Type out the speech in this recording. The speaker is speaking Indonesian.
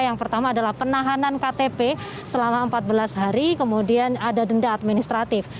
yang pertama adalah penahanan ktp selama empat belas hari kemudian ada denda administratif